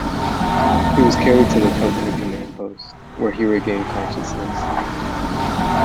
He was carried to the company command post, where he regained consciousness.